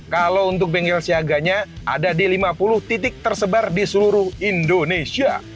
kalau untuk benggil siaganya ada di lima puluh titik tersebar di seluruh indonesia